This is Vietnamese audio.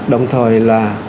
đồng thời là